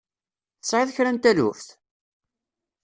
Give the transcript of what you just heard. Tesɛiḍ kra n taluft?